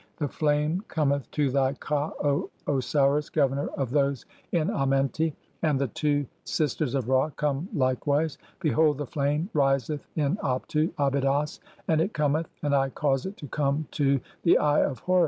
(5) [The flame cometh to thy "KA, O Osiris, governor of those in Amenti] 1 and the two "sisters (?) of Ra come likewise. Behold, [the flame] riseth in "Abtu (Abydos) and it cometh ; and I cause it to come [to] (6) "the Eye of Horus.